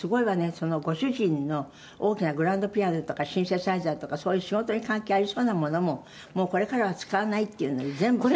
そのご主人の大きなグランドピアノとかシンセサイザーとかそういう仕事に関係ありそうなものももうこれからは使わないっていうので全部捨てたんだ」